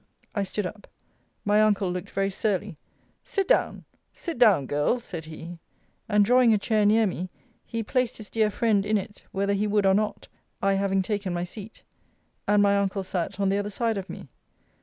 I stood up. My uncle looked very surly. Sit down! Sit down, Girl, said he. And drawing a chair near me, he placed his dear friend in it, whether he would or not, I having taken my seat. And my uncle sat on the other side of me.